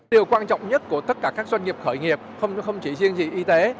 điều quan trọng nhất của tất cả các doanh nghiệp khởi nghiệp không chỉ riêng gì y tế